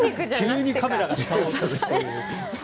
急にカメラが下を映すという。